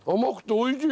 おいしい！